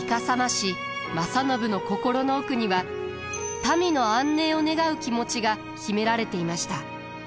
師正信の心の奥には民の安寧を願う気持ちが秘められていました。